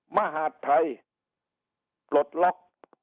มหาดไทยปลดล็อก